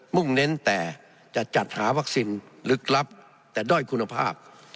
่งเน้นแต่จะจัดหาวัคซีนลึกลับแต่ด้อยคุณภาพ